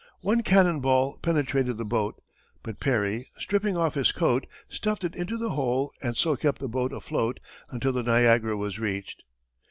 One cannon ball penetrated the boat, but Perry, stripping off his coat, stuffed it into the hole and so kept the boat afloat until the Niagara was reached.